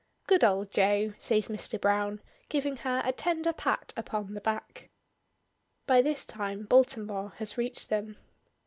"Good old Jo!" says Mr. Browne, giving her a tender pat upon the back. By this time Baltimore has reached them.